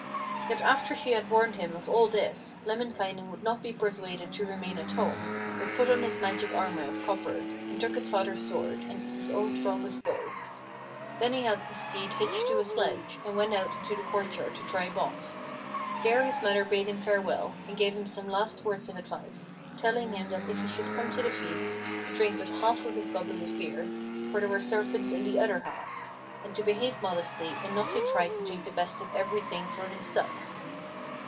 Yet after she had warned him of all this, Lemminkainen would not be persuaded to remain at home, but put on his magic armour of copper and took his father's sword, and his own strongest bow. Then he had his steed hitched to a sledge and went out into the courtyard to drive off. There his mother bade him farewell and gave him some last words of advice, telling him that if he should come to the feast, to drink but half of his goblet of beer, for there were serpents in the other half, and to behave modestly and not to try to take the best of everything for himself.